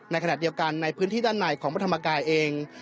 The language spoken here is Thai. ในขณะเดียวกันในพื้นที่ด้านในของพระธรรมกายเอง